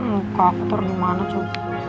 buka aku tau dimana tuh